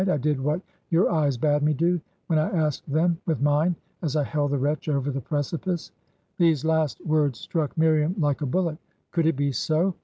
'I did what your eyes bade me do, when I asked them with mine, as I held the wretch over the precipice!' These last words struck Miriam hke a bullet. Could it be so?